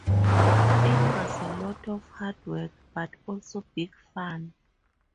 It was a lot of hard work, but also big fun!